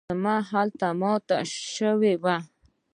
مجسمه هلته هم ماته شوې وه.